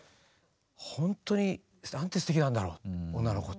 ほんとになんてすてきなんだろう女の子って。